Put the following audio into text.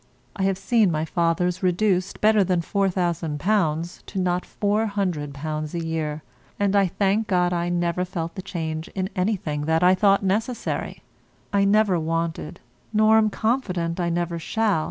I have seen my father's reduced, better than £4000, to not £400 a year, and I thank God I never felt the change in anything that I thought necessary. I never wanted, nor am confident I never shall.